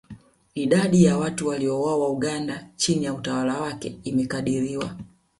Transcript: Idadi ya watu waliouawa Uganda chini ya utawala wake imekadiriwa